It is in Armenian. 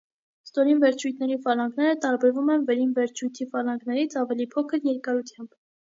Ստորին վերջույթների ֆալանգները տարբերվում են վերին վերջույթի ֆալանգներից ավելի փոքր երկարությամբ։